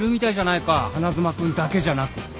花妻君だけじゃなく。